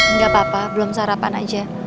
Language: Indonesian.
nggak apa apa belum sarapan aja